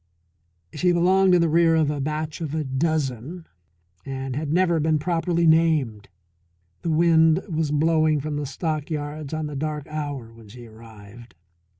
She belonged in the rear of a batch of a dozen, and had never been properly named. The wind was blowing from the stockyards on the dark hour when she arrived.